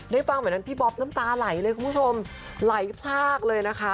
ฟังแบบนั้นพี่บ๊อบน้ำตาไหลเลยคุณผู้ชมไหลพลากเลยนะคะ